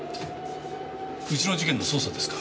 うちの事件の捜査ですか？